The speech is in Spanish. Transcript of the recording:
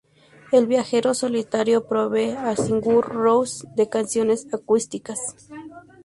El Viajero Solitario provee a Sigur Rós de canciones acústicas.